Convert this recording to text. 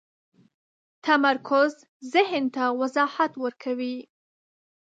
تمرکز ذهن ته وضاحت ورکوي.